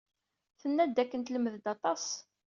Tenna-d dakken telmed-d aṭas.